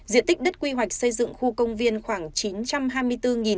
diện tích đất quy hoạch xây dựng khu công viên khoảng chín trăm hai mươi bốn sáu trăm một mươi chín m hai